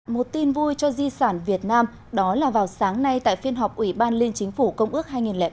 một tin vui cho di sản việt nam đó là vào sáng nay tại phiên họp ủy ban liên chính phủ công ước hai nghìn ba